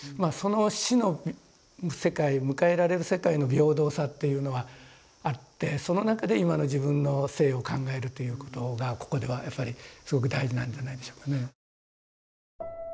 その死の世界迎えられる世界の平等さっていうのはあってその中で今の自分の生を考えるということがここではやっぱりすごく大事なんじゃないでしょうかね。